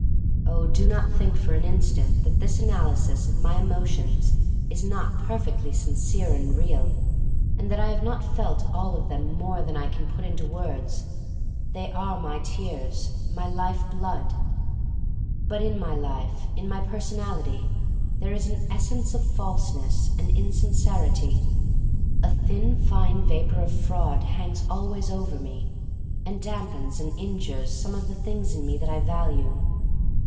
Oh, do not think for an instant that 133 134 THE STORY OF MARY MAC LANE this analysis of my emotions is not per fectly sincere and real, and that I have not felt all of them more than I can put into words. They are my tears — my life blood! But in my life, in my personality, there is an essence of falseness and in sincerity. A thin, fine vapor of fraud hangs always over me and dampens and injures some things in me that I value.